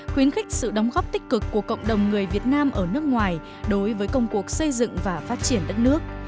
khuyến khích sự đóng góp tích cực của cộng đồng người việt nam ở nước ngoài đối với công cuộc xây dựng và phát triển đất nước